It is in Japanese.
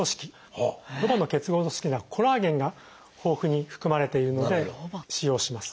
ロバの結合組織の中にコラーゲンが豊富に含まれているので使用します。